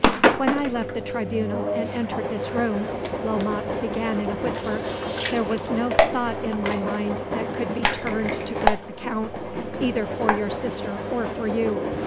"When I left the tribunal and entered this room," Lomaque began in a whisper, "there was no thought in my mind that could be turned to good account, either for your sister or for you.